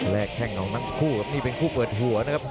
แรกแข่งของนักคู่นี่เป็นคู่เปิดหัวนะครับ